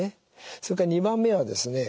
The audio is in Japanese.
それから２番目はですね